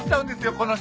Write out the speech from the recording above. この人。